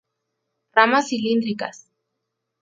Ramas cilíndricas.